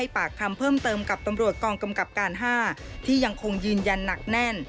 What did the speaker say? ปากคำเพิ่มเติมกับตำรวจกองกำกับการ๕ที่ยังคงยืนยันหนักแน่น